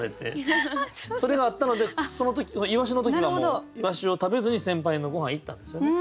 それがあったので鰯の時はもう鰯を食べずに先輩のごはん行ったんですよね。